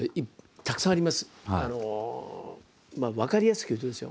分かりやすく言うとですよ